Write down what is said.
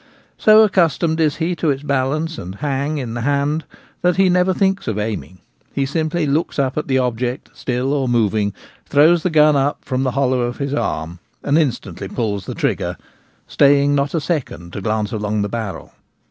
So accustomed is he to its balance and * hang ' in the hand that he never thinks of aiming ; he simply looks at the object, still or moving, throws the gun up from the hollow of his arm, and instantly pulls the trigger, staying not a second to glance along the barrel.